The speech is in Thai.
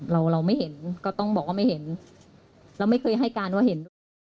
เราเราไม่เห็นก็ต้องบอกว่าไม่เห็นเราไม่เคยให้การว่าเห็นด้วย